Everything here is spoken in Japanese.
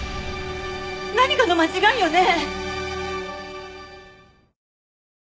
何かの間違いよね？